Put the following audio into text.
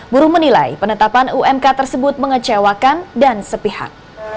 buruh menilai penetapan umk tersebut mengecewakan dan sepihak